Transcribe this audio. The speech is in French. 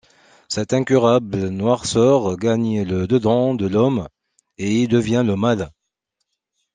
Cette incurable noirceur gagne le dedans de l’homme et y devient le Mal.